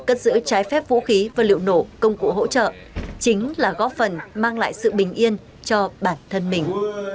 cất giữ trái phép vũ khí và liệu nổ công cụ hỗ trợ chính là góp phần mang lại sự bình yên cho bản thân mình